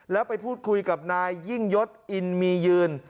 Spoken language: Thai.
แล้วไปพูดคุยกับนายยิ่งยศอินมียืน